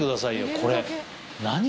これ。